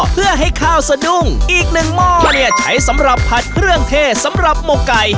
เพื่อให้ข้าวสะดุ้งอีกหนึ่งหม้อเนี่ยใช้สำหรับผัดเครื่องเทศสำหรับหมกไก่